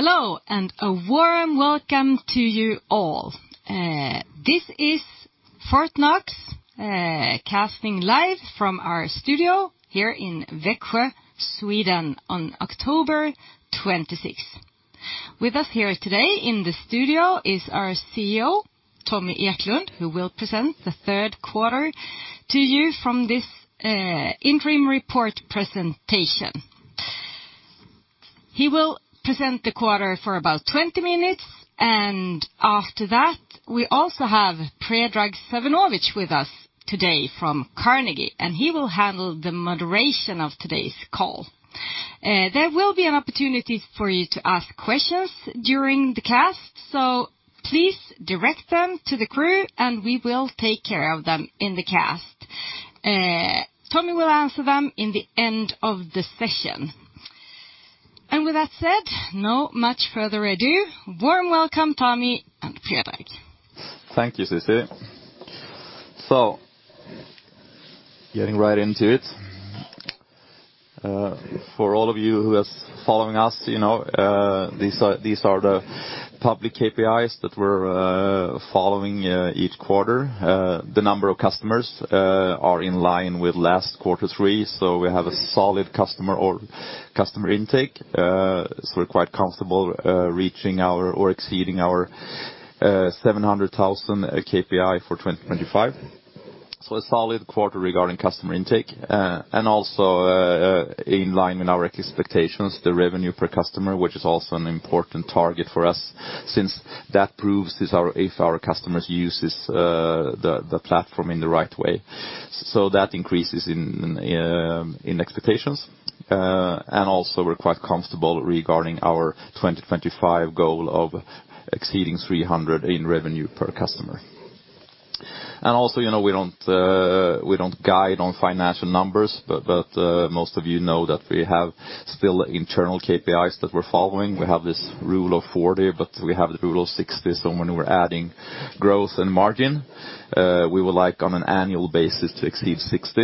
Hello, and a warm welcome to you all. This is Fortnox casting live from our studio here in Växjö, Sweden on October 26th. With us here today in the studio is our CEO, Tommy Eklund, who will present the third quarter to you from this interim report presentation. He will present the quarter for about 20 minutes, and after that, we also have Predrag Savinovic with us today from Carnegie, and he will handle the moderation of today's call. There will be an opportunity for you to ask questions during the cast, so please direct them to the crew, and we will take care of them in the cast. Tommy will answer them in the end of the session. With that said, not much further ado, warm welcome, Tommy and Predrag. Thank you, Susie. Getting right into it. For all of you who is following us, you know, these are the public KPIs that we're following each quarter. The number of customers are in line with last quarter three. We have a solid customer intake. We're quite comfortable reaching or exceeding our 700,000 KPI for 2025. A solid quarter regarding customer intake. Also, in line with our expectations, the revenue per customer, which is also an important target for us since that proves that our customers use the platform in the right way. That increases in line with expectations. Also we're quite comfortable regarding our 2025 goal of exceeding 300 in revenue per customer. Also, you know, we don't guide on financial numbers, but most of you know that we have still internal KPIs that we're following. We have this Rule of 40, but we have the Rule of 60. When we're adding growth and margin, we would like on an annual basis to exceed 60.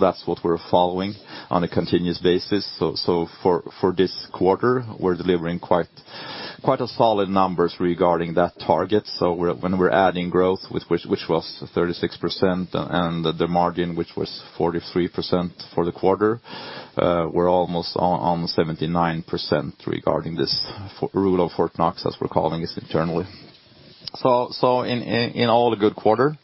That's what we're following on a continuous basis. For this quarter, we're delivering a solid numbers regarding that target. When we're adding growth, which was 36% and the margin, which was 43% for the quarter, we're almost on 79% regarding this Rule of Fortnox, as we're calling this internally. In all, a good quarter.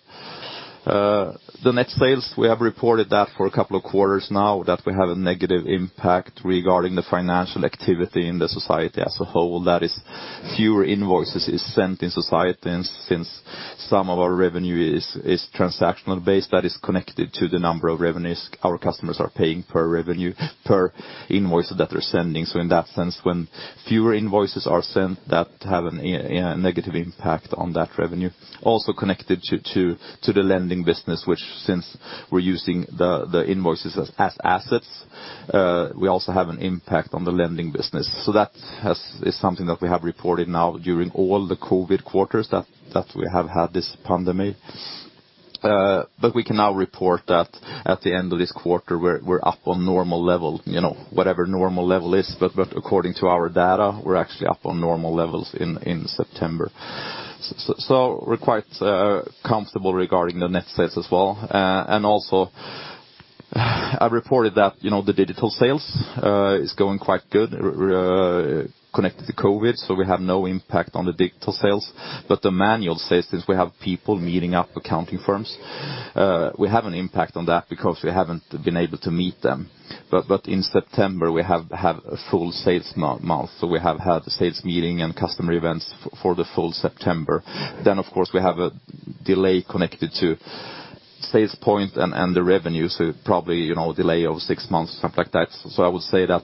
The net sales, we have reported that for a couple of quarters now that we have a negative impact regarding the financial activity in the society as a whole. That is fewer invoices is sent in society. Since some of our revenue is transactional based, that is connected to the number of revenues our customers are paying per revenue, per invoice that they're sending. In that sense, when fewer invoices are sent, that have a negative impact on that revenue. Connected to the lending business, which since we're using the invoices as assets, we also have an impact on the lending business. That is something that we have reported now during all the COVID quarters that we have had this pandemic. We can now report that at the end of this quarter, we're up on normal level, you know, whatever normal level is. According to our data, we're actually up on normal levels in September. We're quite comfortable regarding the net sales as well. Also I reported that, you know, the digital sales is going quite good connected to COVID, so we have no impact on the digital sales. The manual sales, since we have people meeting up accounting firms, we have an impact on that because we haven't been able to meet them. In September, we have a full sales month. We have had sales meeting and customer events for the full September. Of course, we have a delay connected to sales point and the revenue, so probably, you know, a delay of six months, something like that. I would say that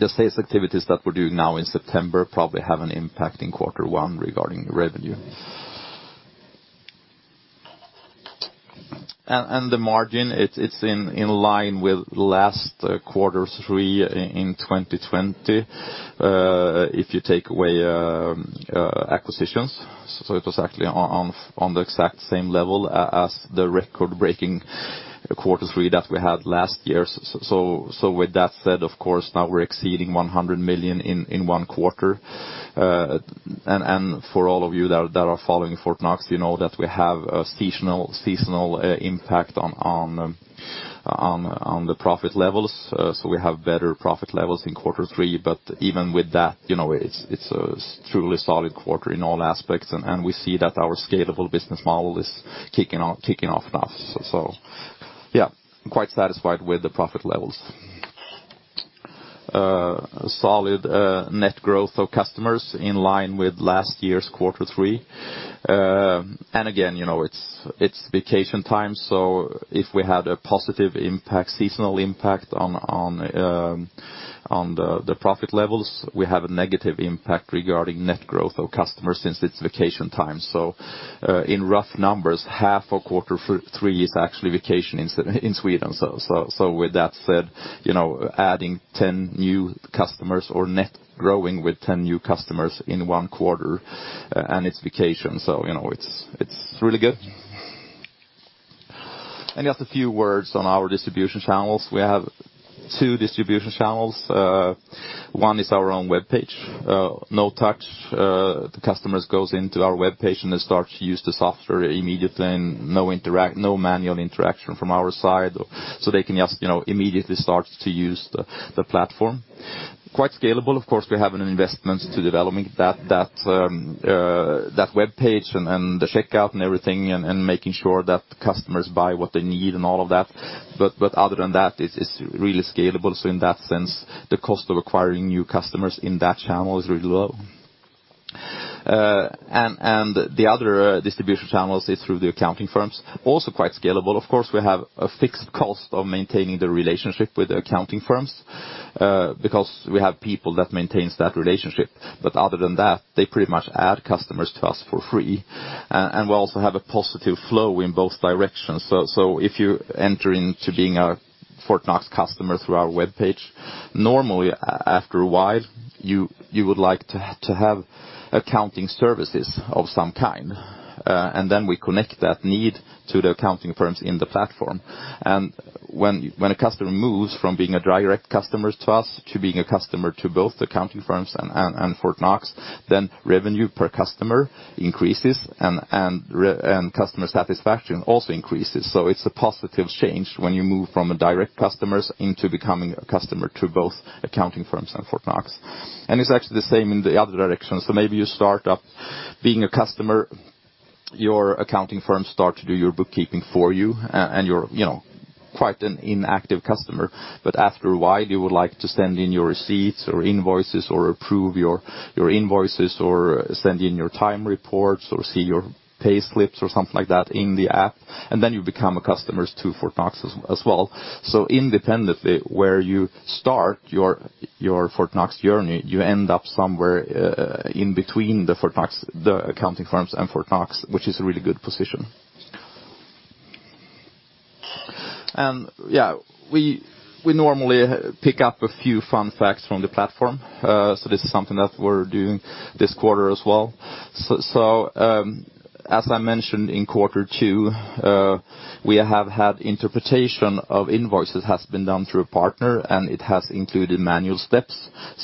the sales activities that we're doing now in September probably have an impact in quarter one regarding revenue. The margin, it's in line with last quarter three in 2020, if you take away acquisitions. It was actually on the exact same level as the record-breaking quarter three that we had last year. With that said, of course, now we're exceeding 100 million in one quarter. For all of you that are following Fortnox, you know that we have a seasonal impact on the profit levels. We have better profit levels in quarter three. Even with that, you know, it's a truly solid quarter in all aspects. We see that our scalable business model is kicking off now. Yeah, quite satisfied with the profit levels. Solid net growth of customers in line with last year's quarter three. Again, you know, it's vacation time, so if we had a positive impact, seasonal impact on the profit levels, we have a negative impact regarding net growth of customers since it's vacation time. In rough numbers, half of quarter three is actually vacation in Sweden. With that said, you know, adding 10 new customers or net growing with 10 new customers in one quarter, and it's vacation, you know, it's really good. Just a few words on our distribution channels. We have two distribution channels. One is our own webpage, no touch, the customers goes into our webpage, and they start to use the software immediately, and no manual interaction from our side. They can just, you know, immediately start to use the platform. Quite scalable, of course, we have an investment to developing that webpage and the checkout and everything and making sure that the customers buy what they need and all of that. Other than that, it's really scalable. In that sense, the cost of acquiring new customers in that channel is really low. The other distribution channels is through the accounting firms, also quite scalable. Of course, we have a fixed cost of maintaining the relationship with the accounting firms, because we have people that maintains that relationship. Other than that, they pretty much add customers to us for free. We also have a positive flow in both directions. If you enter into being a Fortnox customer through our webpage, normally after a while, you would like to have accounting services of some kind, and then we connect that need to the accounting firms in the platform. When a customer moves from being a direct customer to us to being a customer to both the accounting firms and Fortnox, then revenue per customer increases and customer satisfaction also increases. It's a positive change when you move from a direct customers into becoming a customer to both accounting firms and Fortnox. It's actually the same in the other direction. Maybe you start up being a customer, your accounting firms start to do your bookkeeping for you and you're, you know, quite an inactive customer. After a while, you would like to send in your receipts or invoices or approve your invoices, or send in your time reports or see your payslips or something like that in the app. Then you become a customers to Fortnox as well. Independently, where you start your Fortnox journey, you end up somewhere in between the Fortnox, the accounting firms and Fortnox, which is a really good position. Yeah, we normally pick up a few fun facts from the platform. This is something that we're doing this quarter as well. As I mentioned in quarter two, we have had interpretation of invoices has been done through a partner, and it has included manual steps.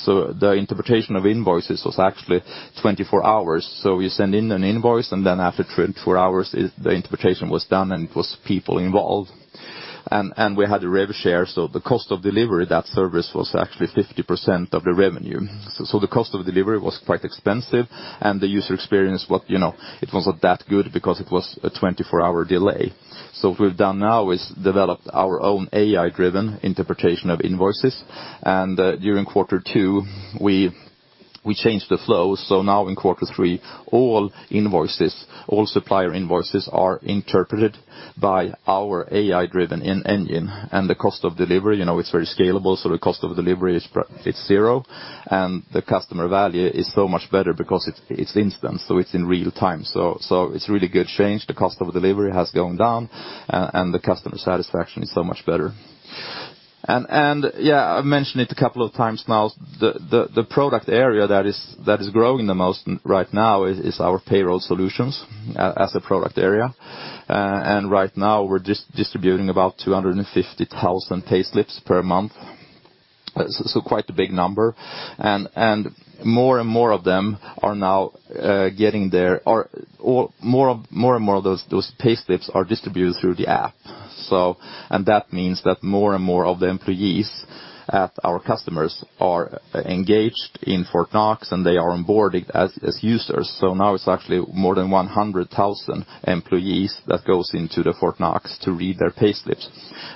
The interpretation of invoices was actually 24 hours. You send in an invoice, and then after 24 hours, the interpretation was done, and it was people involved. We had a rev share, so the cost of delivery that service was actually 50% of the revenue. The cost of delivery was quite expensive, and the user experience was, you know, it wasn't that good because it was a 24-hour delay. What we've done now is developed our own AI-driven interpretation of invoices. During quarter two, we changed the flow. Now in quarter three, all invoices, all supplier invoices are interpreted by our AI-driven engine, and the cost of delivery, you know, it's very scalable, so the cost of delivery is zero. The customer value is so much better because it's instant, so it's in real-time. It's a really good change. The cost of delivery has gone down and the customer satisfaction is so much better. Yeah, I've mentioned it a couple of times now. The product area that is growing the most right now is our payroll solutions as a product area. Right now we're distributing about 250,000 payslips per month. Quite a big number. More and more of those payslips are distributed through the app. That means that more and more of the employees at our customers are engaged in Fortnox, and they are onboarded as users. Now it's actually more than 100,000 employees that goes into the Fortnox to read their payslips.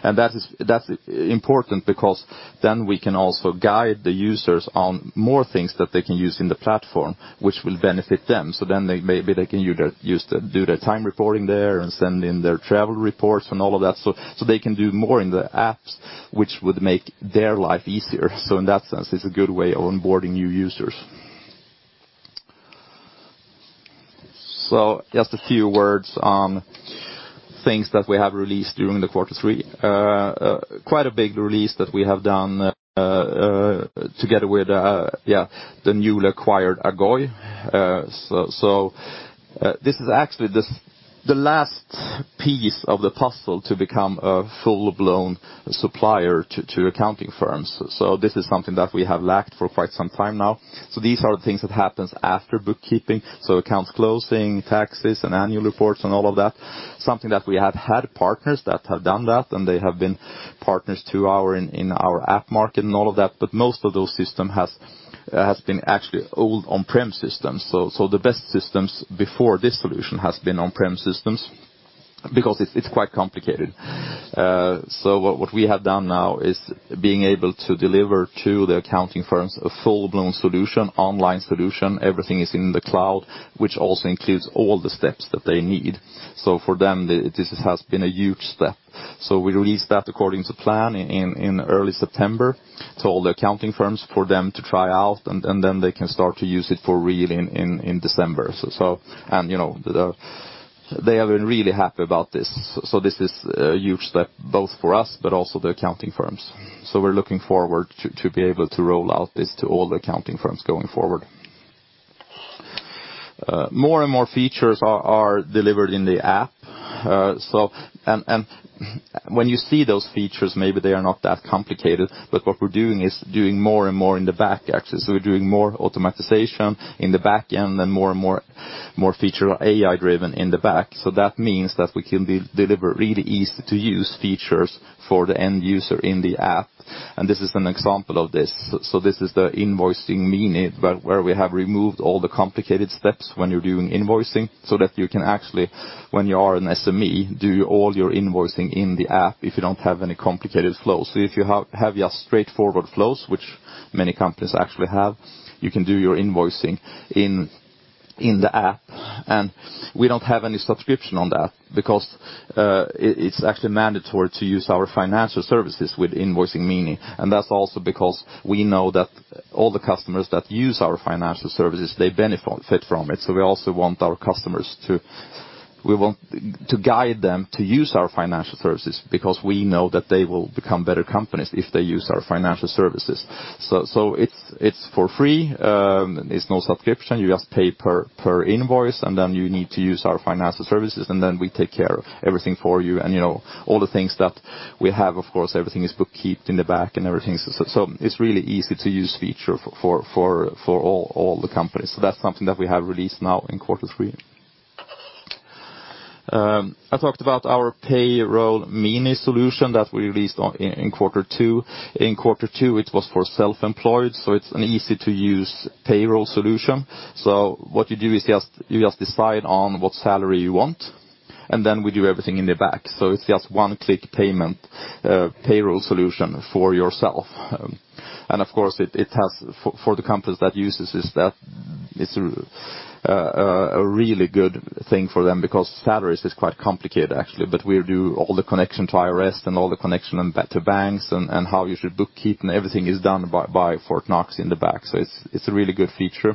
That's important because then we can also guide the users on more things that they can use in the platform, which will benefit them. Maybe they can use them to do their time reporting there and send in their travel reports and all of that. They can do more in the apps, which would make their life easier. In that sense, it's a good way of onboarding new users. Just a few words on things that we have released during quarter three. Quite a big release that we have done together with the newly acquired Agoy. This is actually the last piece of the puzzle to become a full-blown supplier to accounting firms. This is something that we have lacked for quite some time now. These are things that happens after bookkeeping, accounts closing, taxes and annual reports and all of that, something that we have had partners that have done that, and they have been partners to our in our App Market and all of that. Most of those system has been actually old on-prem systems. The best systems before this solution has been on-prem systems because it's quite complicated. What we have done now is being able to deliver to the accounting firms a full-blown solution, online solution. Everything is in the cloud, which also includes all the steps that they need. For them, this has been a huge step. We released that according to plan in early September to all the accounting firms for them to try out, and then they can start to use it for real in December. You know, they have been really happy about this. This is a huge step both for us, but also the accounting firms. We're looking forward to be able to roll out this to all the accounting firms going forward. More and more features are delivered in the app, and when you see those features, maybe they are not that complicated, but what we're doing is doing more and more in the back actually. We're doing more automation in the backend, and more and more features AI driven in the back. That means that we can deliver really easy-to-use features for the end user in the app, and this is an example of this. This is the Invoicing Mini, but where we have removed all the complicated steps when you're doing invoicing so that you can actually, when you are an SME, do all your invoicing in the app if you don't have any complicated flows. If you have your straightforward flows, which many companies actually have, you can do your invoicing in the app, and we don't have any subscription on that because it's actually mandatory to use our financial services with Invoicing Mini. That's also because we know that all the customers that use our financial services, they benefit from it. We want to guide them to use our financial services because we know that they will become better companies if they use our financial services. It's for free, it's no subscription. You just pay per invoice, and then you need to use our financial services, and then we take care of everything for you. You know, all the things that we have, of course, everything is bookkept in the back and everything. It's really easy-to-use feature for all the companies. That's something that we have released now in quarter three. I talked about our Payroll Mini solution that we released in quarter two. In quarter two, it was for self-employed, so it's an easy-to-use payroll solution. What you do is just decide on what salary you want, and then we do everything in the back. It's just one-click payment, payroll solution for yourself. And of course, for the companies that uses this, it's a really good thing for them because salaries is quite complicated actually. We do all the connections to Skatteverket and back to banks, and how you should bookkeep, and everything is done by Fortnox in the back. It's a really good feature.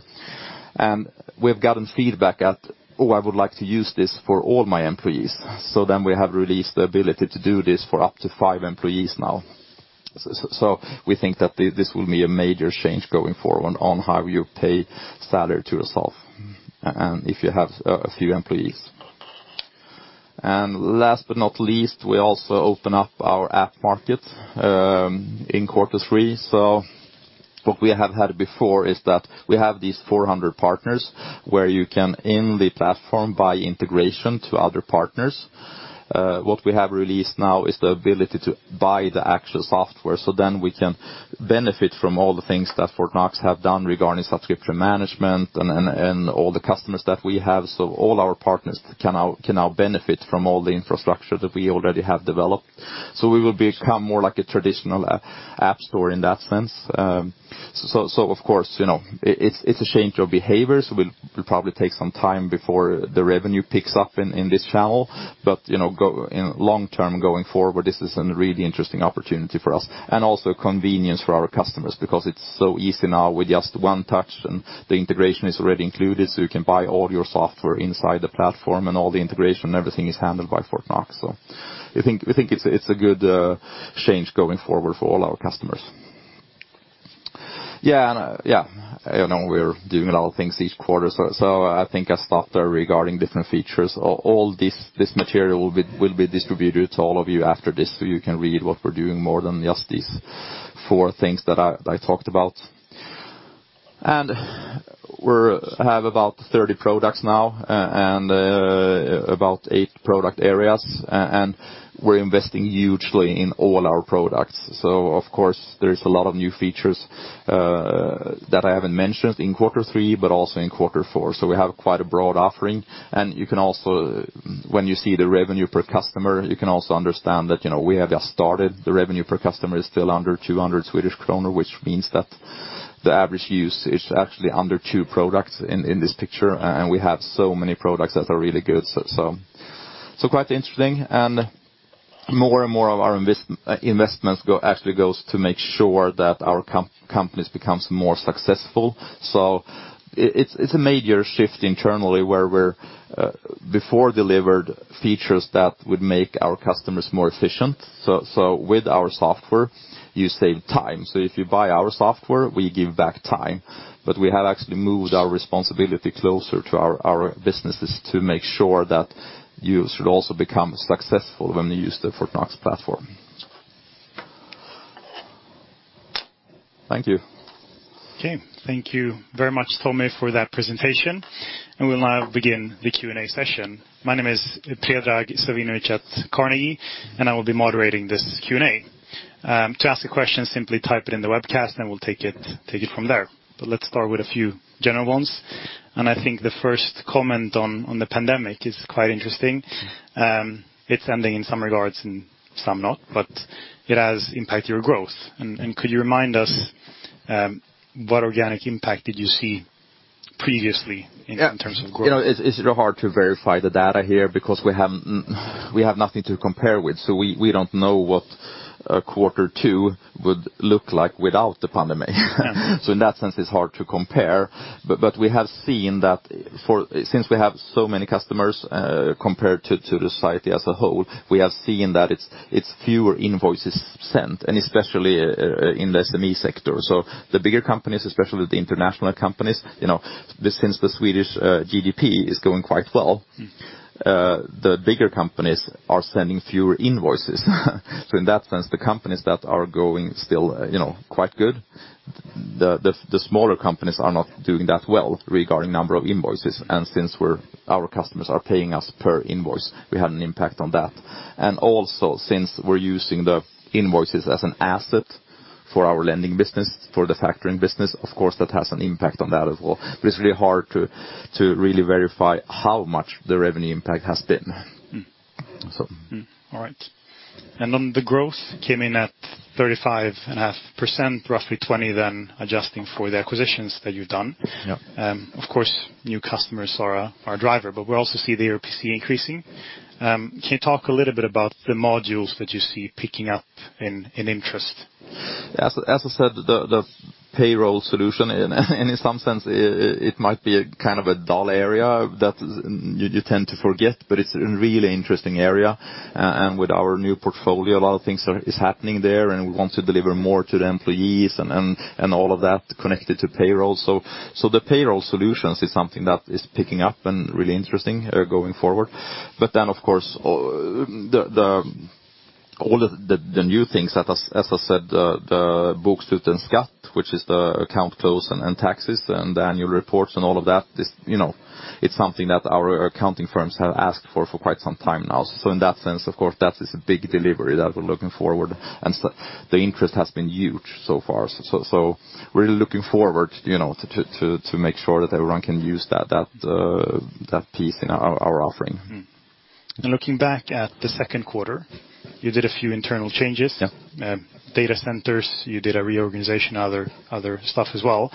We've gotten feedback that, oh, I would like to use this for all my employees. Then we have released the ability to do this for up to five employees now. We think that this will be a major change going forward on how you pay salary to yourself and if you have a few employees. Last but not least, we also open up our App Market in quarter three. What we have had before is that we have these 400 partners where you can in the platform buy integration to other partners. What we have released now is the ability to buy the actual software, so then we can benefit from all the things that Fortnox have done regarding subscription management and all the customers that we have. All our partners can now benefit from all the infrastructure that we already have developed. We will become more like a traditional app store in that sense. Of course, you know, it's a change of behaviors. Will probably take some time before the revenue picks up in this channel. You know, long term going forward, this is a really interesting opportunity for us and also convenience for our customers because it's so easy now with just one touch, and the integration is already included, so you can buy all your software inside the platform and all the integration, everything is handled by Fortnox. We think it's a good change going forward for all our customers. Yeah. Yeah, I know we're doing a lot of things each quarter, so I think I stopped there regarding different features. All this material will be distributed to all of you after this, so you can read what we're doing more than just these four things that I talked about. We have about 30 products now and about eight product areas, and we're investing hugely in all our products. Of course, there's a lot of new features that I haven't mentioned in quarter three, but also in quarter four. We have quite a broad offering. You can also, when you see the revenue per customer, you can also understand that, you know, we have just started, the revenue per customer is still under 200 Swedish kronor, which means that the average use is actually under two products in this picture. We have so many products that are really good, quite interesting. More and more of our investments go to make sure that our companies becomes more successful. It's a major shift internally where we before delivered features that would make our customers more efficient. With our software, you save time. If you buy our software, we give back time. We have actually moved our responsibility closer to our businesses to make sure that you should also become successful when you use the Fortnox platform. Thank you. Okay. Thank you very much, Tommy, for that presentation. We'll now begin the Q&A session. My name is Predrag Savinovic at Carnegie, and I will be moderating this Q&A. To ask a question, simply type it in the webcast, and we'll take it from there. Let's start with a few general ones. I think the first comment on the pandemic is quite interesting. It's ending in some regards and some not, but it has impacted your growth. Could you remind us what organic impact did you see previously in terms of growth? You know it's hard to verify the data here because we have nothing to compare with. We don't know what a quarter two would look like without the pandemic. In that sense, it's hard to compare. We have seen that since we have so many customers, compared to the society as a whole, we have seen that it's fewer invoices sent, and especially in the SME sector. The bigger companies, especially the international companies, you know, since the Swedish GDP is going quite well, the bigger companies are sending fewer invoices. In that sense, the companies that are growing still, you know, quite good, the smaller companies are not doing that well regarding number of invoices. Since our customers are paying us per invoice, we had an impact on that. Also, since we're using the invoices as an asset for our lending business, for the factoring business, of course, that has an impact on that as well. It's really hard to really verify how much the revenue impact has been. Mm. So. All right. The growth came in at 35.5%, roughly 20% adjusting for the acquisitions that you've done. Yep. Of course, new customers are a driver, but we also see the ARPC increasing. Can you talk a little bit about the modules that you see picking up in interest? As I said, the payroll solution in some sense it might be a kind of a dull area that you tend to forget, but it's a really interesting area. With our new portfolio, a lot of things are happening there, and we want to deliver more to the employees and all of that connected to payroll. The payroll solutions is something that is picking up and really interesting going forward. Of course, all of the new things that as I said, the Bokslut & Skatt, which is the account close and taxes and annual reports and all of that, is, you know, it's something that our accounting firms have asked for quite some time now. In that sense, of course, that is a big delivery that we're looking forward. The interest has been huge so far. We're looking forward, you know, to make sure that everyone can use that piece in our offering. Looking back at the second quarter, you did a few internal changes. Yeah. Data centers, you did a reorganization, other stuff as well.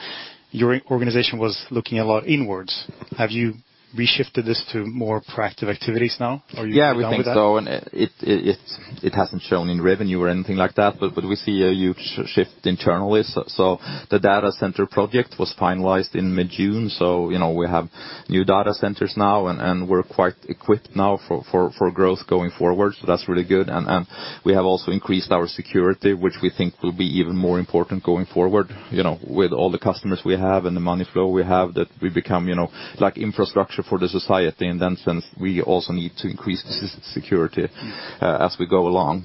Your organization was looking a lot inwards. Have you reshifted this to more proactive activities now? Are you done with that? Yeah, we think so. It hasn't shown in revenue or anything like that, but we see a huge shift internally. The data center project was finalized in mid-June, so you know, we have new data centers now and we're quite equipped now for growth going forward. That's really good. We have also increased our security, which we think will be even more important going forward, you know, with all the customers we have and the money flow we have, that we become, you know, like infrastructure for the society. In that sense, we also need to increase the security as we go along.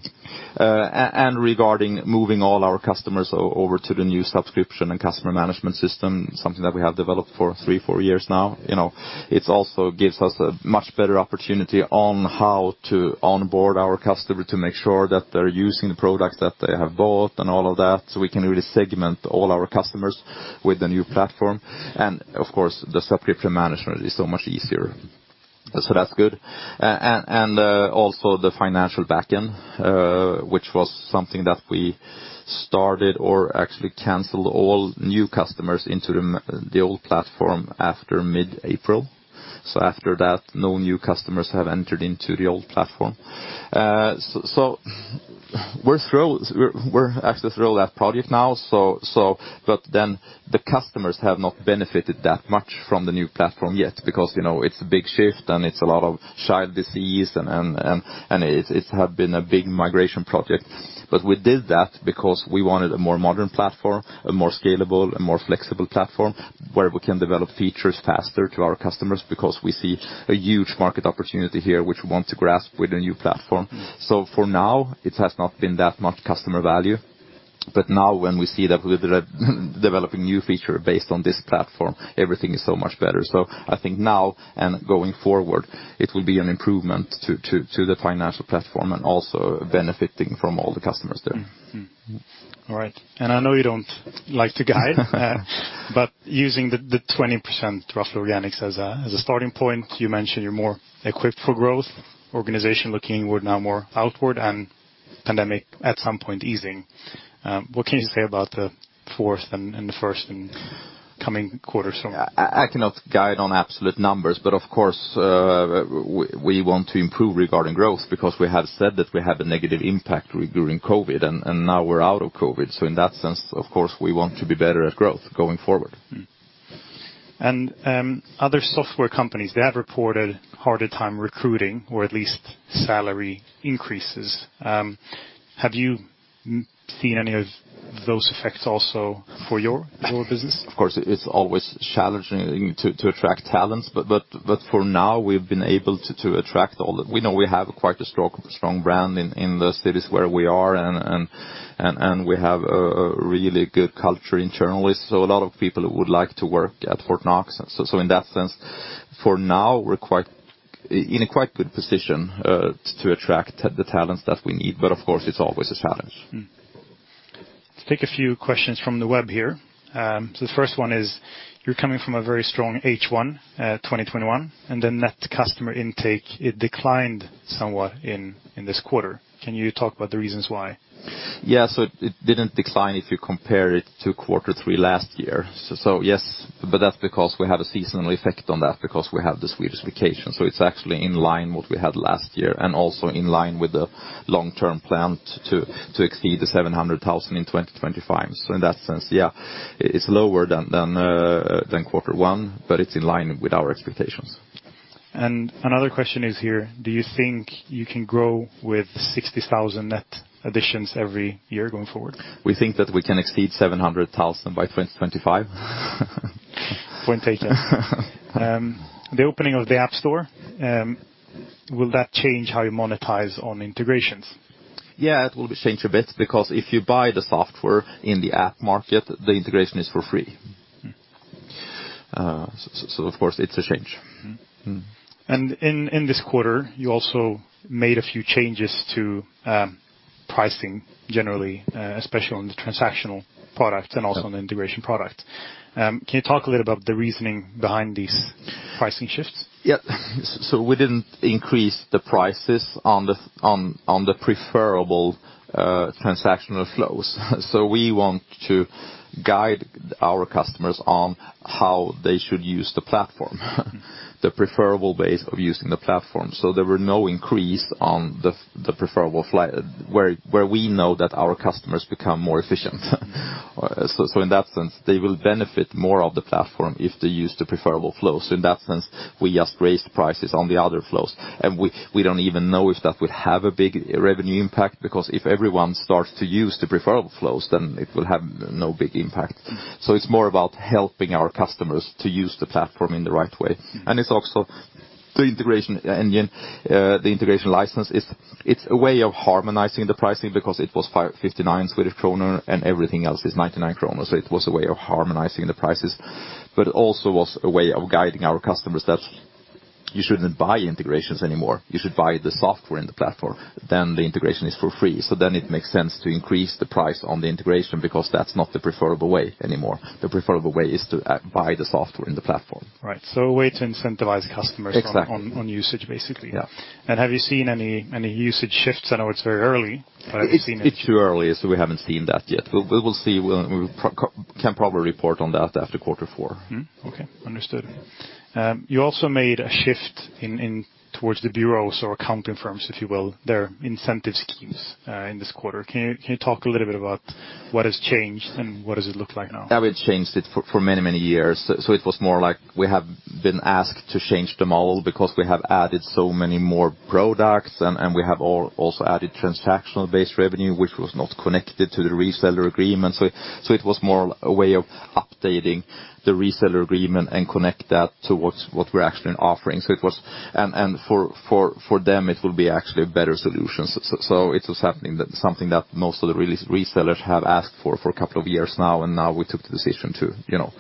Regarding moving all our customers over to the new subscription and customer management system, something that we have developed for three to four years now. You know, it also gives us a much better opportunity on how to onboard our customer to make sure that they're using the products that they have bought and all of that. We can really segment all our customers with the new platform. Of course, the subscription management is so much easier. That's good. Also, the financial backend, which was something that we started to actually channel all new customers into the new platform after mid-April. After that, no new customers have entered into the old platform. We're thrilled. We're actually thrilled with the project now. But then the customers have not benefited that much from the new platform yet because, you know, it's a big shift, and it's a lot of childhood diseases, and it has been a big migration project. We did that because we wanted a more modern platform, a more scalable, a more flexible platform where we can develop features faster to our customers because we see a huge market opportunity here, which we want to grasp with a new platform. For now, it has not been that much customer value. Now when we see that we're developing new features based on this platform, everything is so much better. I think now and going forward, it will be an improvement to the financial platform and also benefiting from all the customers there. All right. I know you don't like to guide. Using the 20% roughly organic as a starting point, you mentioned you're more equipped for growth, organization looking inward now more outward and pandemic at some point easing. What can you say about the fourth and the first and coming quarters from? I cannot guide on absolute numbers, but of course, we want to improve regarding growth because we have said that we have a negative impact during COVID, and now we're out of COVID. In that sense, of course, we want to be better at growth going forward. Other software companies, they have reported harder time recruiting or at least salary increases. Have you seen any of those effects also for your business? Of course, it's always challenging to attract talents, but for now, you know, we have quite a strong brand in the cities where we are, and we have a really good culture internally. A lot of people would like to work at Fortnox. In that sense, for now, we're in a quite good position to attract the talents that we need. Of course, it's always a challenge. Let's take a few questions from the web here. The first one is, you're coming from a very strong H1 2021, and the net customer intake, it declined somewhat in this quarter. Can you talk about the reasons why? Yeah. It didn't decline if you compare it to quarter three last year. Yes, but that's because we have a seasonal effect on that because we have the Swedish vacation. It's actually in line with what we had last year and also in line with the long-term plan to exceed the 700,000 in 2025. In that sense, yeah, it's lower than quarter one, but it's in line with our expectations. Another question is here, do you think you can grow with 60,000 net additions every year going forward? We think that we can exceed 700,000 by 2025. Point taken. The opening of the App Market, will that change how you monetize on integrations? Yeah, it will be changed a bit because if you buy the software in the App Market, the integration is for free. Mm. Of course it's a change. Mm-hmm. Mm. In this quarter, you also made a few changes to pricing generally, especially on the transactional product- Yeah. Also on the integration product. Can you talk a little about the reasoning behind these pricing shifts? Yeah. We didn't increase the prices on the preferred transactional flows. We want to guide our customers on how they should use the platform, the preferred basis of using the platform. There were no increase on the preferred flow where we know that our customers become more efficient. In that sense, they will benefit more from the platform if they use the preferred flows. In that sense, we just raised prices on the other flows. We don't even know if that will have a big revenue impact, because if everyone starts to use the preferred flows, then it will have no big impact. It's more about helping our customers to use the platform in the right way. Mm. It's also the integration engine, the integration license is, it's a way of harmonizing the pricing because it was 59 Swedish kronor and everything else is 99 kronor. It was a way of harmonizing the prices, but it also was a way of guiding our customers that you shouldn't buy integrations anymore. You should buy the software in the platform, then the integration is for free. It makes sense to increase the price on the integration because that's not the preferable way anymore. The preferable way is to buy the software in the platform. Right. A way to incentivize customers. Exactly. on usage, basically. Yeah. Have you seen any usage shifts? I know it's very early, but have you seen any- It's too early, so we haven't seen that yet. Mm. We will see. We probably can report on that after quarter four. Okay. Understood. Yeah. You also made a shift towards the bureaus or accounting firms, if you will, their incentive schemes in this quarter. Can you talk a little bit about what has changed and what does it look like now? That we've changed it for many years. It was more like we have been asked to change the model because we have added so many more products and we have also added transactional-based revenue, which was not connected to the reseller agreement. It was more a way of updating the reseller agreement and connect that to what we're actually offering. For them, it will be actually a better solution. It was something that most of the resellers have asked for for a couple of years now, and now we took the decision to, you know,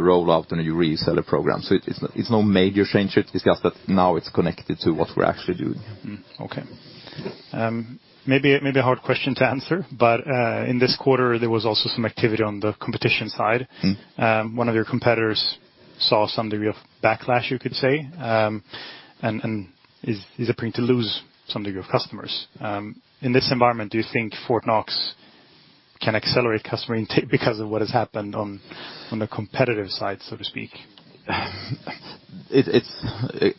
roll out a new reseller program. It's no major change. It's just that now it's connected to what we're actually doing. Okay. Yeah. Maybe a hard question to answer, but in this quarter, there was also some activity on the competition side. Mm-hmm. One of your competitors saw some degree of backlash, you could say, and is appearing to lose some degree of customers. In this environment, do you think Fortnox can accelerate customer intake because of what has happened on the competitive side, so to speak?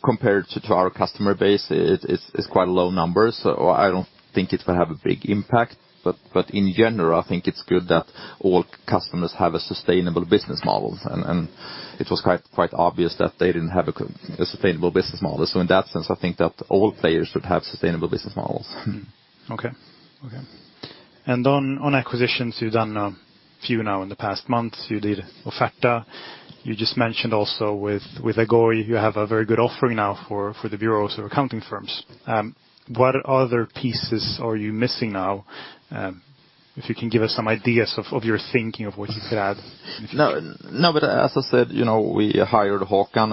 Compared to our customer base, it's quite low numbers, so I don't think it will have a big impact. In general, I think it's good that all customers have a sustainable business model. It was quite obvious that they didn't have a sustainable business model. In that sense, I think that all players should have sustainable business models. Okay. On acquisitions, you've done a few now in the past month. You did Offerta. You just mentioned also with Agoy, you have a very good offering now for the bureaus or accounting firms. What other pieces are you missing now? If you can give us some ideas of your thinking of what you could add, if you can. No, no. As I said, you know, we hired Håkan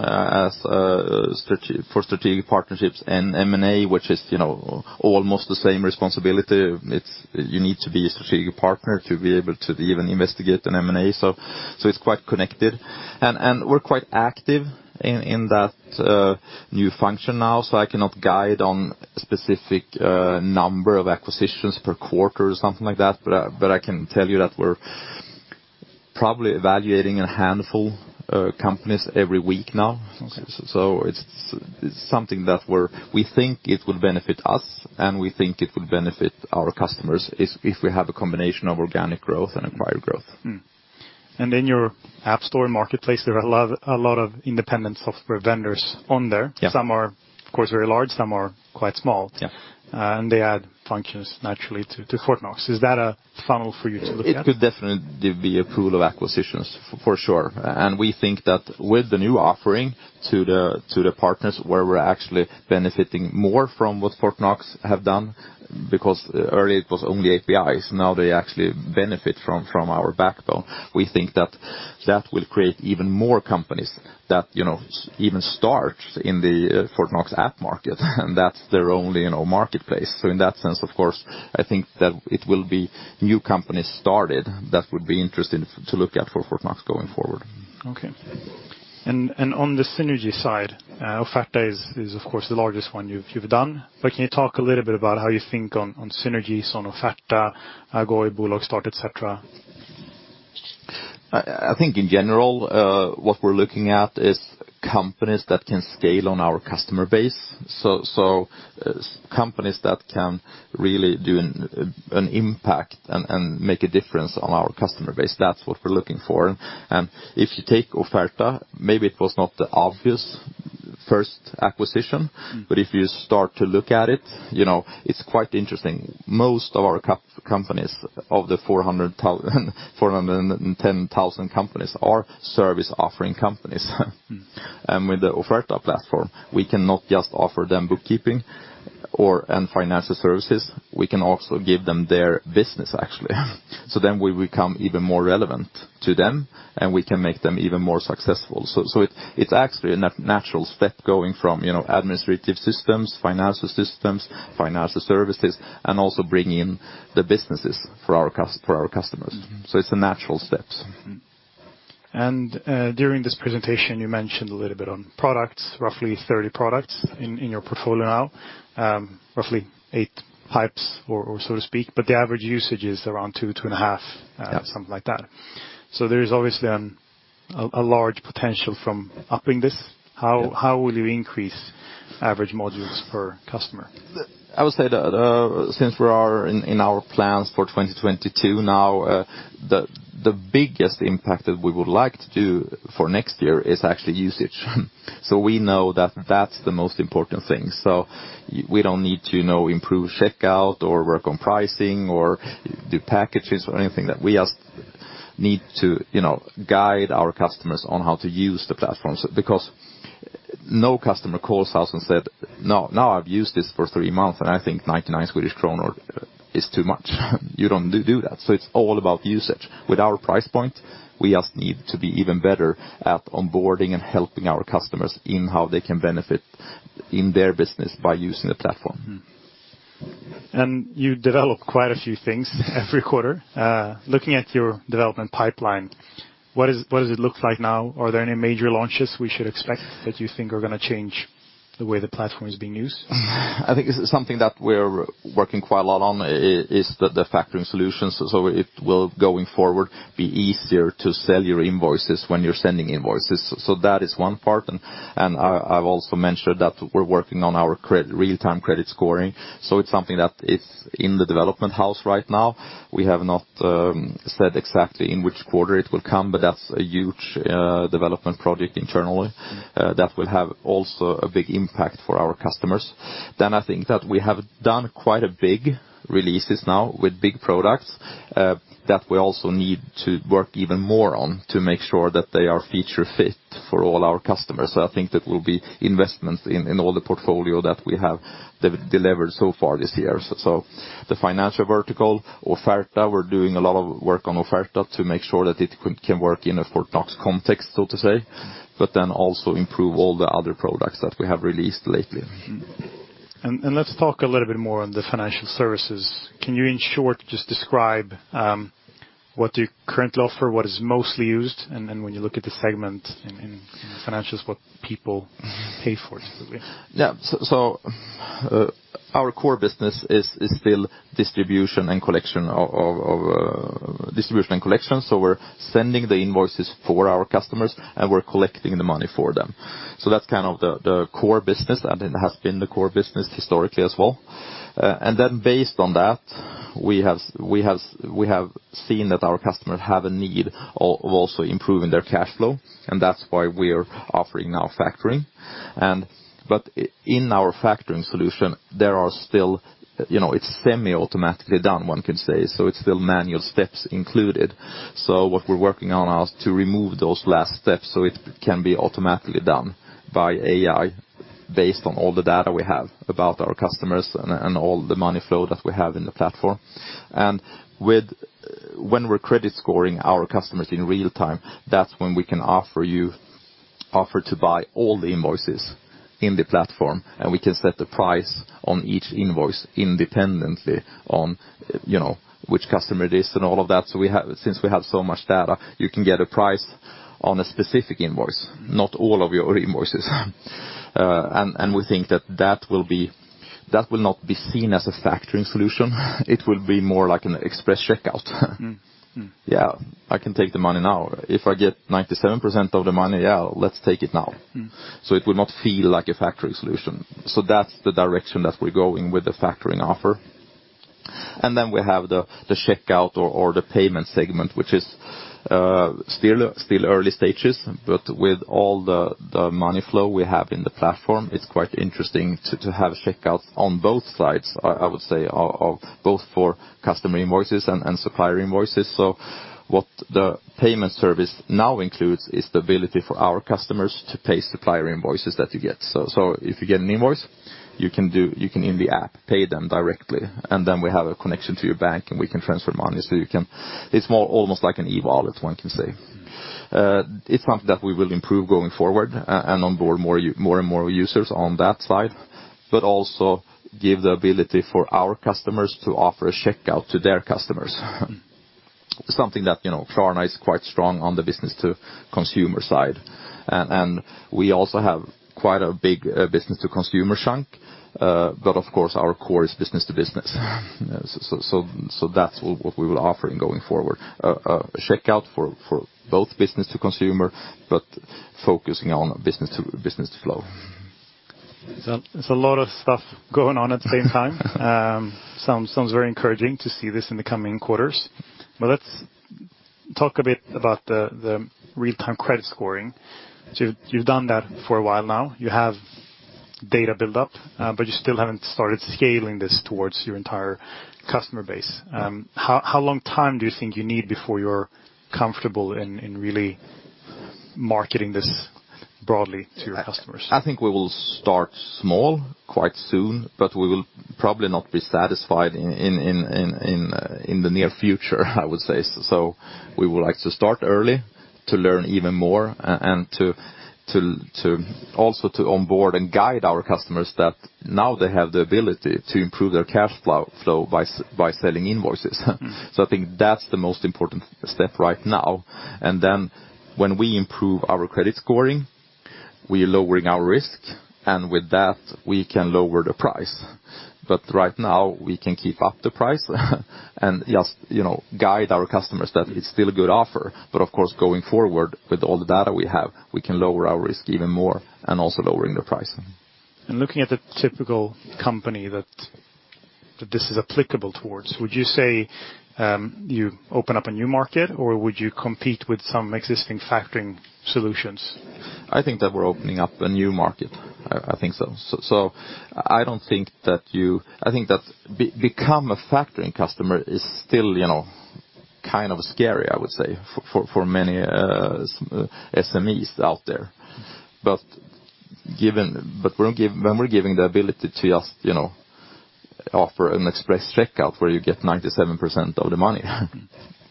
for strategic partnerships and M&A, which is, you know, almost the same responsibility. You need to be a strategic partner to be able to even investigate an M&A. It's quite connected. We're quite active in that new function now. I cannot guide on specific number of acquisitions per quarter or something like that. I can tell you that we're probably evaluating a handful companies every week now. Okay. It's something that we think it would benefit us, and we think it would benefit our customers if we have a combination of organic growth and acquired growth. In your App Market marketplace, there are a lot of independent software vendors on there. Yeah. Some are, of course, very large, some are quite small. Yeah. They add functions naturally to Fortnox. Is that a funnel for you to look at? It could definitely be a pool of acquisitions, for sure. We think that with the new offering to the partners where we're actually benefiting more from what Fortnox have done, because earlier it was only APIs, now they actually benefit from our backbone. We think that that will create even more companies that, you know, even start in the Fortnox App Market, and that's their only, you know, marketplace. In that sense, of course, I think that it will be new companies started that would be interesting to look at for Fortnox going forward. Okay. On the synergy side, Offerta is of course the largest one you've done. Can you talk a little bit about how you think on synergies on Offerta, Agoy, Bolagsstart, et cetera? I think in general what we're looking at is companies that can scale on our customer base. So companies that can really do an impact and make a difference on our customer base. That's what we're looking for. If you take Offerta, maybe it was not the obvious first acquisition. Mm-hmm. If you start to look at it, you know, it's quite interesting. Most of our companies of the 410,000 companies are service offering companies. Mm-hmm. With the Offerta platform, we cannot just offer them bookkeeping and financial services, we can also give them their business actually. We become even more relevant to them, and we can make them even more successful. It's actually a natural step going from, you know, administrative systems, financial systems, financial services, and also bring in the businesses for our customers. Mm-hmm. It's a natural step. Mm-hmm. During this presentation, you mentioned a little bit on products, roughly 30 products in your portfolio, roughly eight pipes or so to speak, but the average usage is around 2.5. Yeah. Something like that. There is obviously a large potential from upping this. Yeah. How will you increase average modules per customer? I would say that, since we are in our plans for 2022 now, the biggest impact that we would like to do for next year is actually usage. We know that that's the most important thing. We don't need to, you know, improve checkout or work on pricing or do packages or anything like that. We just need to, you know, guide our customers on how to use the platforms, because no customer calls us and said, "Now I've used this for three months, and I think 99 Swedish kronor is too much." You don't do that. It's all about usage. With our price point, we just need to be even better at onboarding and helping our customers in how they can benefit in their business by using the platform. Mm-hmm. You develop quite a few things every quarter. Looking at your development pipeline, what does it look like now? Are there any major launches we should expect that you think are gonna change the way the platform is being used? I think it's something that we're working quite a lot on is the factoring solutions. It will, going forward, be easier to sell your invoices when you're sending invoices. That is one part, and I've also mentioned that we're working on our real-time credit scoring. It's something that is in the development phase right now. We have not said exactly in which quarter it will come, but that's a huge development project internally that will have also a big impact for our customers. I think that we have done quite a big releases now with big products that we also need to work even more on to make sure that they are feature fit for all our customers. I think that will be investments in all the portfolio that we have delivered so far this year. The financial vertical, Offerta, we're doing a lot of work on Offerta to make sure that it can work in a Fortnox context, so to say, but then also improve all the other products that we have released lately. Mm-hmm. Let's talk a little bit more on the financial services. Can you in short just describe what you currently offer, what is mostly used, and then when you look at the segment in financials, what people pay for it to be? Our core business is still distribution and collection. We're sending the invoices for our customers, and we're collecting the money for them. That's kind of the core business, and it has been the core business historically as well. Based on that, we have seen that our customers have a need of also improving their cash flow, and that's why we are offering now factoring. In our factoring solution, there are still, you know, it's semi-automatically done, one can say. It's still manual steps included. What we're working on is to remove those last steps, so it can be automatically done by AI based on all the data we have about our customers and all the money flow that we have in the platform. When we're credit scoring our customers in real time, that's when we can offer to buy all the invoices in the platform, and we can set the price on each invoice independently on, you know, which customer it is and all of that. Since we have so much data, you can get a price on a specific invoice, not all of your invoices. We think that will not be seen as a factoring solution. It will be more like an express checkout. Mm-hmm. Mm-hmm. Yeah. I can take the money now. If I get 97% of the money, yeah, let's take it now. Mm-hmm. It will not feel like a factoring solution. That's the direction that we're going with the factoring offer. Then we have the checkout or the payment segment, which is still early stages, but with all the money flow we have in the platform, it's quite interesting to have checkouts on both sides, I would say, of both for customer invoices and supplier invoices. What the payment service now includes is the ability for our customers to pay supplier invoices that you get. If you get an invoice, you can in the app pay them directly, and then we have a connection to your bank, and we can transfer money, so you can. It's more almost like an e-wallet, one can say. Mm-hmm. It's something that we will improve going forward and onboard more and more users on that side, but also give the ability for our customers to offer a checkout to their customers. Something that, you know, Klarna is quite strong on the business-to-consumer side. We also have quite a big business-to-consumer chunk, but of course, our core is business-to-business. So that's what we will offer in going forward, a checkout for both business-to-consumer, but focusing on business-to-business flow. There's a lot of stuff going on at the same time. Sounds very encouraging to see this in the coming quarters. Well, let's talk a bit about the real-time credit scoring. You've done that for a while now. You have data build-up, but you still haven't started scaling this towards your entire customer base. How long time do you think you need before you're comfortable in really marketing this broadly to your customers? I think we will start small quite soon, but we will probably not be satisfied in the near future, I would say so. We would like to start early to learn even more and to also to onboard and guide our customers that now they have the ability to improve their cash flow by selling invoices. I think that's the most important step right now. When we improve our credit scoring, we're lowering our risk, and with that, we can lower the price. Right now, we can keep up the price and just, you know, guide our customers that it's still a good offer. Of course, going forward with all the data we have, we can lower our risk even more and also lowering the pricing. Looking at the typical company that this is applicable towards, would you say you open up a new market, or would you compete with some existing factoring solutions? I think that we're opening up a new market. I think so. I think that become a factoring customer is still, you know, kind of scary, I would say for many SMEs out there. When we're giving the ability to just, you know, offer an express checkout where you get 97% of the money,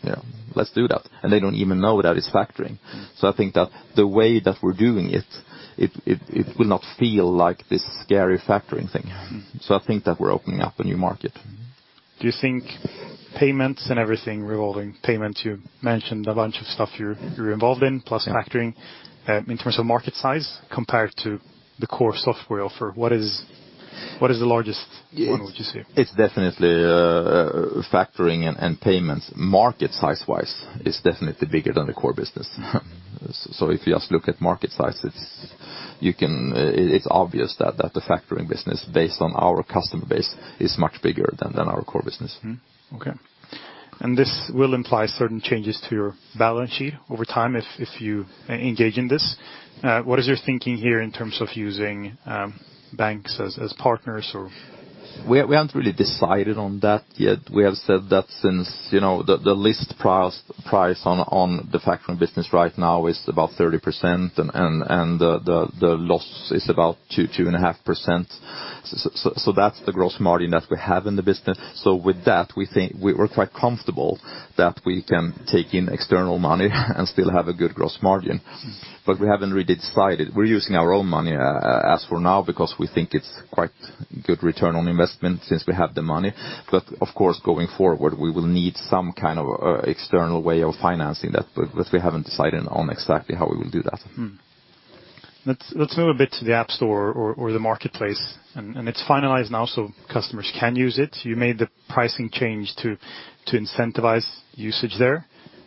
you know, let's do that. They don't even know that it's factoring. I think that the way that we're doing it will not feel like this scary factoring thing. Mm-hmm. I think that we're opening up a new market. Do you think payments and everything revolving payments, you mentioned a bunch of stuff you're involved in, plus factoring, in terms of market size compared to the core software offer, what is the largest one, would you say? It's definitely factoring and payments. Market size-wise, it's definitely bigger than the core business. If you just look at market size, it's obvious that the factoring business, based on our customer base, is much bigger than our core business. This will imply certain changes to your balance sheet over time if you engage in this. What is your thinking here in terms of using banks as partners or? We haven't really decided on that yet. We have said that since, you know, the lowest price on the factoring business right now is about 30% and the loss is about 2.5%. That's the gross margin that we have in the business. With that, we think we're quite comfortable that we can take in external money and still have a good gross margin. Mm-hmm. We haven't really decided. We're using our own money as for now because we think it's quite good return on investment since we have the money. Of course, going forward, we will need some kind of external way of financing that, but we haven't decided on exactly how we will do that. Mm-hmm. Let's move a bit to the App Market. It's finalized now, so customers can use it. You made the pricing change to incentivize usage there.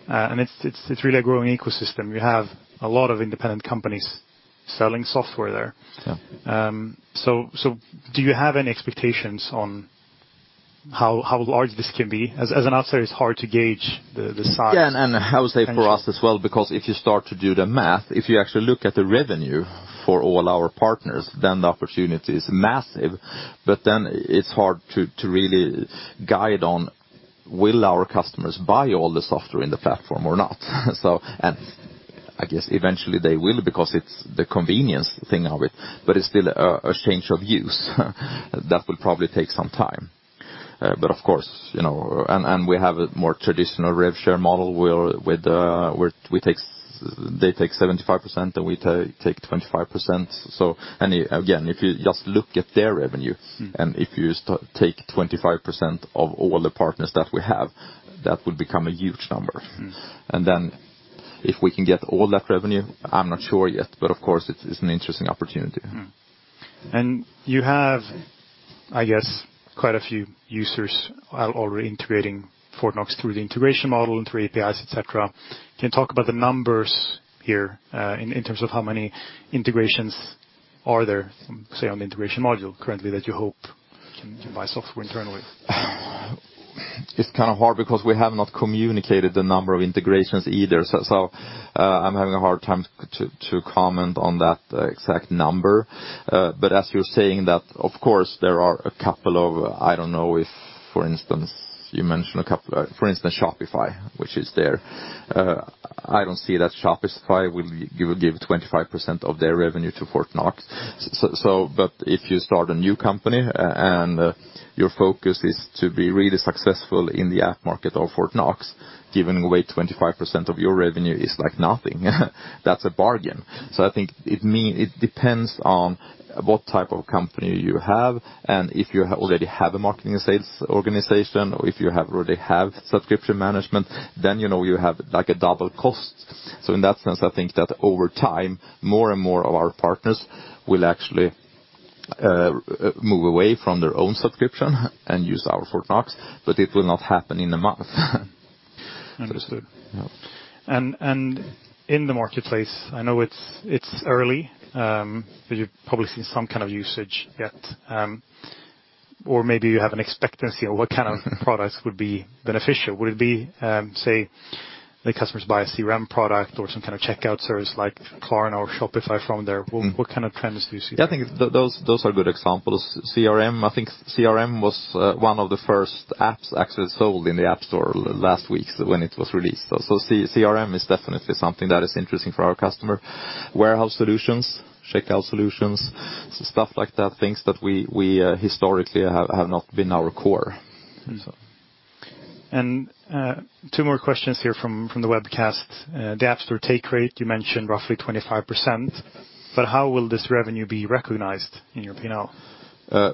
It's really a growing ecosystem. You have a lot of independent companies selling software there. Yeah. Do you have any expectations on how large this can be? As an outsider, it's hard to gauge the size. Yeah. I would say for us as well, because if you start to do the math, if you actually look at the revenue for all our partners, then the opportunity is massive. It's hard to really guide on will our customers buy all the software in the platform or not. I guess eventually they will because it's the convenience thing of it, but it's still a change of use that will probably take some time. Of course, we have a more traditional rev-share model where they take 75%, and we take 25%. Again, if you just look at their revenue- Mm-hmm. If you take 25% of all the partners that we have, that would become a huge number. Mm-hmm. If we can get all that revenue, I'm not sure yet, but of course, it is an interesting opportunity. Mm-hmm. You have, I guess, quite a few users are already integrating Fortnox through the integration model and through APIs, et cetera. Can you talk about the numbers here, in terms of how many integrations are there, say, on the integration module currently that you hope can buy software internally? It's kinda hard because we have not communicated the number of integrations either. I'm having a hard time to comment on that exact number. But as you're saying that, of course, there are a couple of. I don't know if, for instance, you mentioned a couple of, for instance, Shopify, which is there. I don't see that Shopify will give 25% of their revenue to Fortnox. But if you start a new company and your focus is to be really successful in the App Market of Fortnox, giving away 25% of your revenue is like nothing. That's a bargain. I think it depends on what type of company you have and if you already have a marketing and sales organization or already have subscription management, then, you know, you have like a double cost. In that sense, I think that over time, more and more of our partners will actually move away from their own subscription and use our Fortnox, but it will not happen in a month. Understood. Yeah. In the marketplace, I know it's early, but you've probably seen some kind of usage yet. Or maybe you have an expectation on what kind of products would be beneficial. Would it be, say, the customers buy a CRM product or some kind of checkout service, like Klarna or Shopify from there? What kind of trends do you see? Yeah, I think those are good examples. CRM, I think CRM was one of the first apps actually sold in the App Market last week when it was released. CRM is definitely something that is interesting for our customer. Warehouse solutions, checkout solutions, stuff like that, things that we historically have not been our core. Two more questions here from the webcast. The App Market take rate, you mentioned roughly 25%, but how will this revenue be recognized in your P&L?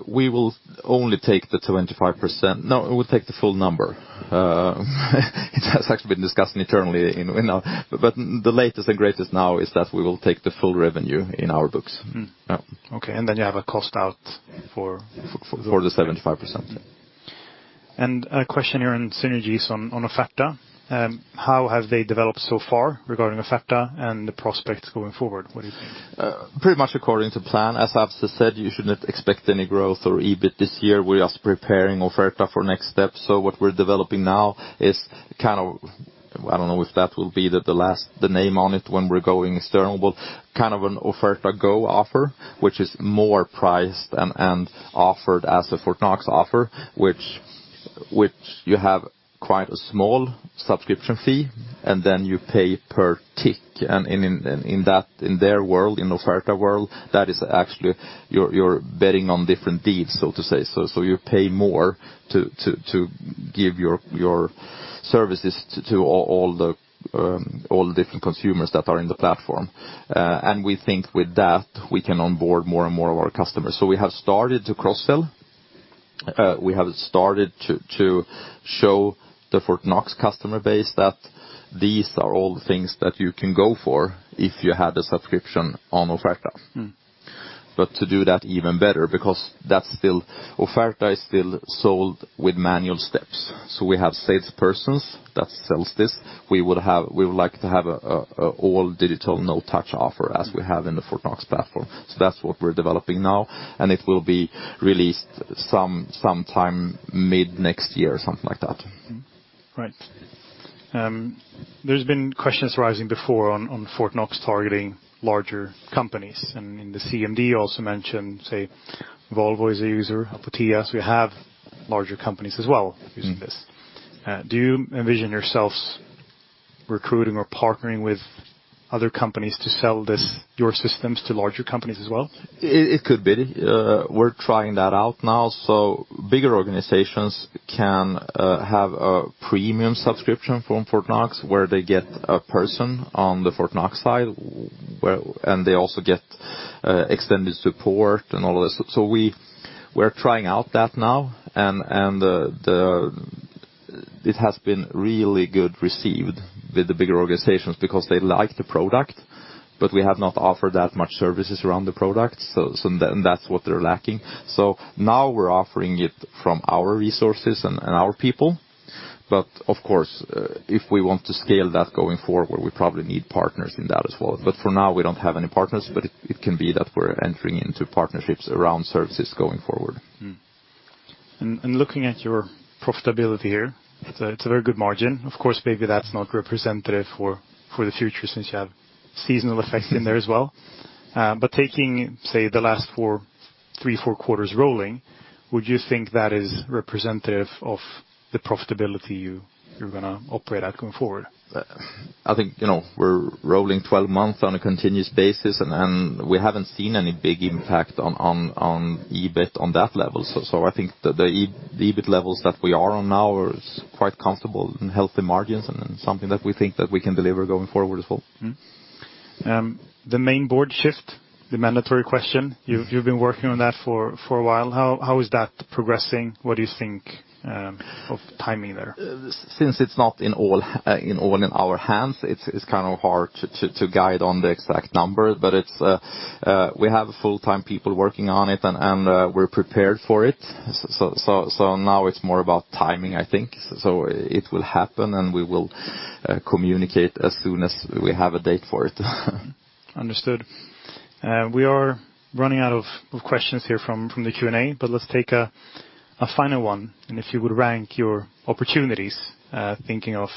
We will only take the 25%. No, we'll take the full number. It has actually been discussed internally, you know, but the latest and greatest now is that we will take the full revenue in our books. Yeah. Okay. You have a cost out for For the 75%. A question here on synergies on Offerta. How have they developed so far regarding Offerta and the prospects going forward? What do you think? Pretty much according to plan. As I've said, you should not expect any growth or EBIT this year. We're just preparing Offerta for next steps. What we're developing now is kind of. I don't know if that will be the last name on it when we're going external. Kind of an Offerta Go offer, which is more priced and offered as a Fortnox offer, which you have quite a small subscription fee, and then you pay per click. In that, in their world, in Offerta world, that is actually you're betting on different bids, so to say. You pay more to give your services to all the different consumers that are in the platform. We think with that, we can onboard more and more of our customers. We have started to cross-sell. We have started to show the Fortnox customer base that these are all things that you can go for if you had a subscription on Offerta. Mm. To do that even better, because that's still Offerta is still sold with manual steps. We have salespersons that sells this. We would like to have a all-digital, no-touch offer as we have in the Fortnox platform. That's what we're developing now, and it will be released sometime mid next year or something like that. Right. There's been questions arising before on Fortnox targeting larger companies. In the CMD, you also mentioned, say, Volvo is a user, Apotea. We have larger companies as well using this. Mm-hmm. Do you envision yourselves recruiting or partnering with other companies to sell this, your systems to larger companies as well? It could be. We're trying that out now. Bigger organizations can have a premium subscription from Fortnox, where they get a person on the Fortnox side and they also get extended support and all of this. We're trying out that now. It has been really well received with the bigger organizations because they like the product, but we have not offered that much services around the product. Then that's what they're lacking. Now we're offering it from our resources and our people. Of course, if we want to scale that going forward, we probably need partners in that as well. For now, we don't have any partners. It can be that we're entering into partnerships around services going forward. Looking at your profitability here, it's a very good margin. Of course, maybe that's not representative for the future since you have seasonal effects in there as well. Taking, say, the last three or four quarters rolling, would you think that is representative of the profitability you're gonna operate at going forward? I think, you know, we're rolling 12 months on a continuous basis and we haven't seen any big impact on EBIT on that level. So I think the EBIT levels that we are on now is quite comfortable and healthy margins and something that we think that we can deliver going forward as well. The main board shift, the mandatory question, you've been working on that for a while. How is that progressing? What do you think of timing there? Since it's not in all in our hands, it's kind of hard to guide on the exact number. We have full-time people working on it and we're prepared for it. Now it's more about timing, I think. It will happen, and we will communicate as soon as we have a date for it. Understood. We are running out of questions here from the Q&A, but let's take a final one. If you would rank your opportunities, thinking of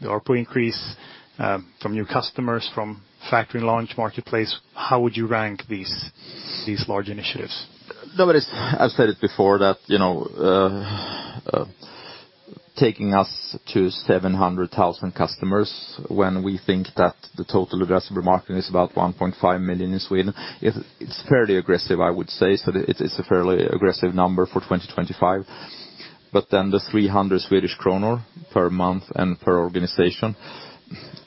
the ARPU increase from new customers, from Fortnox launch marketplace, how would you rank these large initiatives? No, but I've said it before that, you know, taking us to 700,000 customers when we think that the total addressable market is about 1.5 million in Sweden, it's fairly aggressive, I would say. It is a fairly aggressive number for 2025. The 300 Swedish kronor per month and per organization,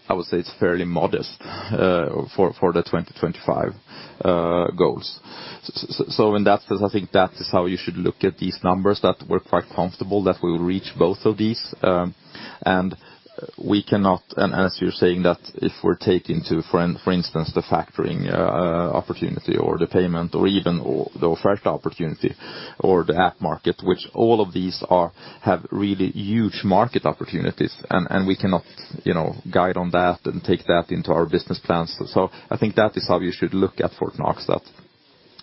I would say it's fairly modest for the 2025 goals. In that sense, I think that is how you should look at these numbers, that we're quite comfortable that we will reach both of these. As you're saying that if we're taking, for instance, the factoring opportunity or the payment or even the Offerta opportunity or the App Market, which all of these have really huge market opportunities and we cannot, you know, guide on that and take that into our business plans. I think that is how you should look at Fortnox, that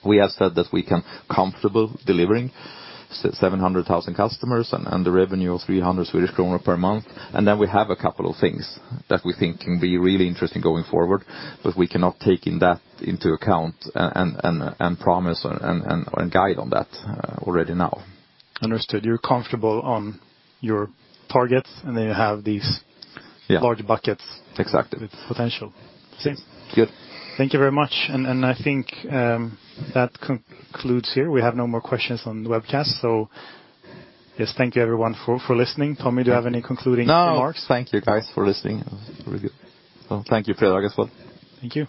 we have said that we can comfortably deliver 700,000 customers and the revenue of 300 Swedish kronor per month. Then we have a couple of things that we think can be really interesting going forward, but we cannot take that into account and promise and guide on that already now. Understood. You're comfortable on your targets, and then you have these. Yeah. large buckets Exactly. with potential. Yes. Good. Thank you very much. I think that concludes here. We have no more questions on the webcast. Just thank you everyone for listening. Tommy, do you have any concluding remarks? No. Thank you guys for listening. Really good. Thank you, Predrag, as well. Thank you.